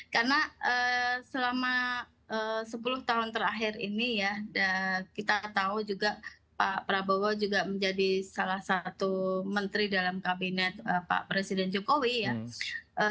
karena selama sepuluh tahun terakhir ini ya kita tahu juga pak prabowo juga menjadi salah satu menteri dalam kabinet pak presiden jokowi ya